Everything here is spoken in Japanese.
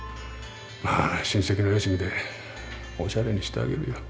まあ親戚のよしみでおしゃれにしてあげるよ。